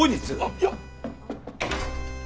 いや。